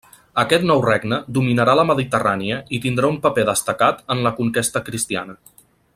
Aquest nou regne dominarà la Mediterrània i tindrà un paper destacat en la conquesta cristiana.